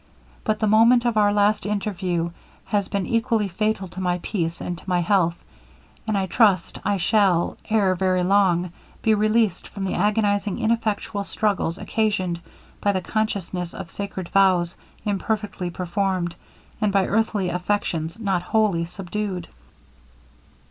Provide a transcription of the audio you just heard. But the moment of our last interview has been equally fatal to my peace and to my health, and I trust I shall, ere very long, be released from the agonizing ineffectual struggles occasioned by the consciousness of sacred vows imperfectly performed, and by earthly affections not wholly subdued.'